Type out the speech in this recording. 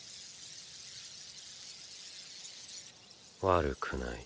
悪くない。